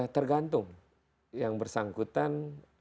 tergantung yang bersangkutan